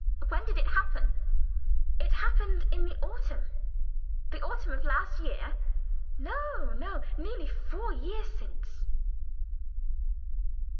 "When did it happen?" "It happened in the autumn." "The autumn of last year?" "No! no! Nearly four years since."